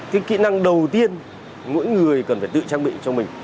cái kỹ năng đầu tiên mỗi người cần phải tự trang bị cho mình